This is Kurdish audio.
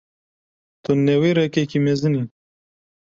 Tu newêrekekî mezin î.